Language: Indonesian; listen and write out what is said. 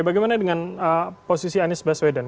bagaimana dengan posisi anies baswedan